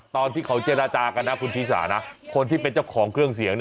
ตอนที่เขาเจรจากันนะคุณชีสานะคนที่เป็นเจ้าของเครื่องเสียง